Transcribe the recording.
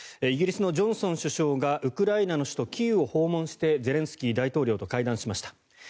イギリスのジョンソン首相がウクライナの首都キーウを訪問してゼレンスキー大統領と会談しました。